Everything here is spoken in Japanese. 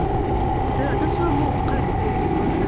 だから私はもう彼のペースに乗らない。